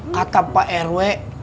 kata pak rw